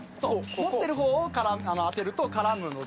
持ってる方を当てると絡むので。